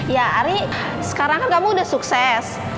ya ari sekarang kan kamu udah sukses